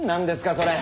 それ。